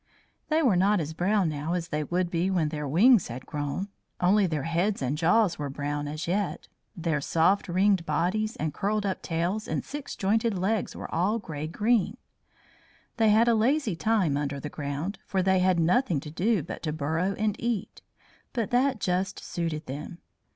They were not as brown now as they would be when their wings had grown. Only their heads and jaws were brown as yet; their soft ringed bodies and curled up tails and six jointed legs were all grey green. They had a lazy time under the ground, for they had nothing to do but to burrow and eat; but that just suited them.